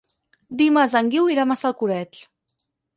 Dimarts en Guiu irà a Massalcoreig.